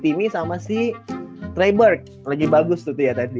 timi sama si treberg lagi bagus tuh ya tadi